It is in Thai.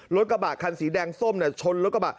รถกระบะคันสีแดงส้มชนรถกระบะ